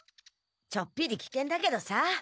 ちょっぴりきけんだけどさ。